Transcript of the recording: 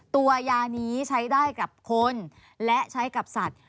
ตัวยานี้ใช้ได้กับคนและใช้กับสัตว์